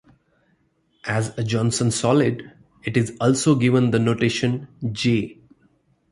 As a Johnson solid, it is also given the notation "J".